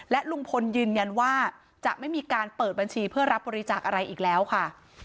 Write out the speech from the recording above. และลุงพลยืนยันว่าจะไม่มีการเปิดบัญชีเพื่อรับบริจาคอะไรอีกแล้วค่ะ